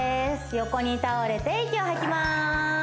横に倒れて息を吐きます